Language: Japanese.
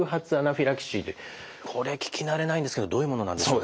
これ聞き慣れないんですけどどういうものなんでしょう。